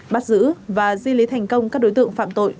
bắt giữ và di lý thành công các đối tượng phạm tội